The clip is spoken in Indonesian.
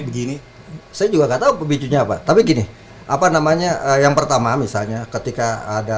begini saya juga nggak tahu pemicunya apa tapi gini apa namanya yang pertama misalnya ketika ada